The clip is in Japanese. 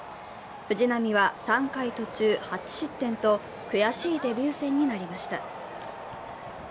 藤浪は３回途中８失点と悔しいデビュー戦になりました。